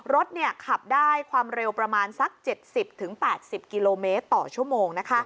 รถขับได้ความเร็วประมาณสัก๗๐๘๐กิโลเมตรต่อชั่วโมง